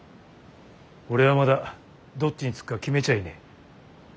俺はまだどっちにつくか決めちゃいねえ。